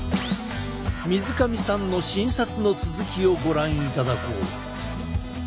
水上さんの診察の続きをご覧いただこう。